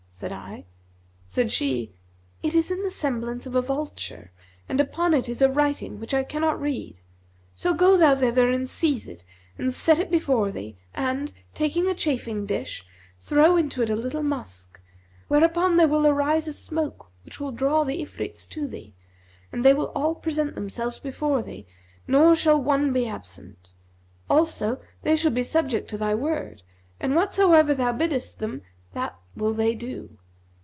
said I: said she, 'It is in the semblance of a vulture[FN#244] and upon it is a writing which I cannot read. So go thou thither and seize it, and set it before thee and, taking a chafing dish, throw into it a little musk, whereupon there will arise a smoke which will draw the Ifrits to thee, and they will all present themselves before thee, nor shall one be absent; also they shall be subject to thy word and, whatsoever thou biddest them, that will they do.